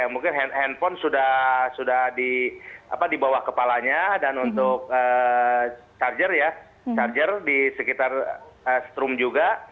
mungkin handphone sudah di bawah kepalanya dan untuk charger ya charger di sekitar stroom juga